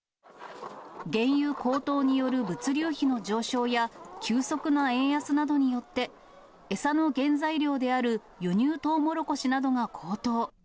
原油高騰による物流費の上昇や、急速な円安などによって、餌の原材料である輸入とうもろこしなどが高騰。